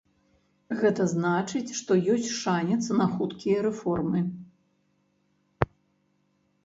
Гэта значыць, што ёсць шанец на хуткія рэформы.